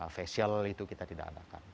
facial itu kita tidak adakan